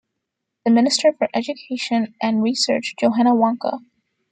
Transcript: The Minister for Education and Research Johanna Wanka.